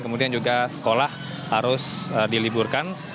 kemudian juga sekolah harus diliburkan